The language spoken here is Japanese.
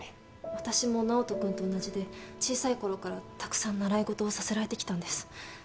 私も直人君と同じで小さい頃からたくさん習い事をさせられてきたんです。